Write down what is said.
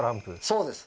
そうです